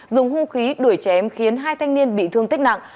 dùng hôn khí đuổi trẻ em khiến hai thanh niên bị thương tích nặng